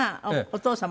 お父様の？